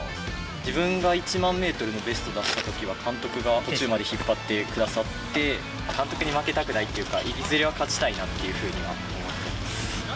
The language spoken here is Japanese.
自分が１万メートルのベストだったときは、監督が途中まで引っ張ってくださって、監督に負けたくないっていうか、いずれは勝ちたいなというふうに思ってます。